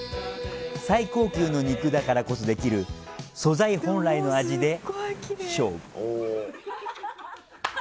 最高級の肉だからこそできる素材本来の味で勝負。